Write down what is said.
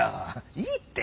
いいって！